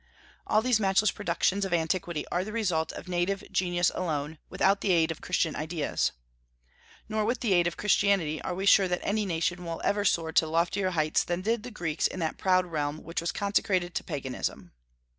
All these matchless productions of antiquity are the result of native genius alone, without the aid of Christian ideas. Nor with the aid of Christianity are we sure that any nation will ever soar to loftier heights than did the Greeks in that proud realm which was consecrated to Paganism.